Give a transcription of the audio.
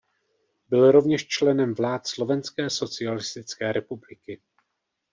Byl rovněž členem vlád Slovenské socialistické republiky.